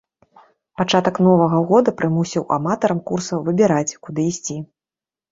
Пачатак новага года прымусіў аматарам курсаў выбіраць, куды ісці.